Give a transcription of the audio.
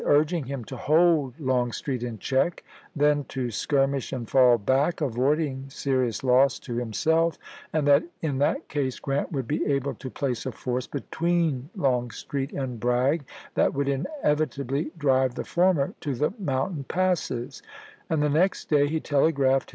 i863. ui ging him to hold Longstreet in check, then to skirmish and fall back, avoiding serious loss to himself ; and that in that case Grant would be able to place a force between Longstreet and Bragg that would inevitably drive the former to the mountain passes ; and the next day he telegi'aphed ibid.